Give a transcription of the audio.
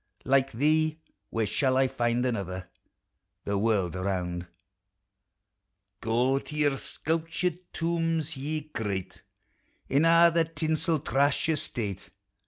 Like thee where shall I find another, The world around ! Go to your sculptured tombs, ye great, In a' the tinsel trash o' state!